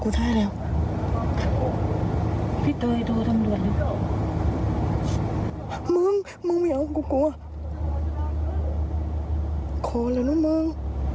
โทรเลยนะมึง